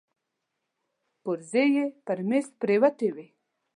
پرزې يې پر مېز پرتې وې.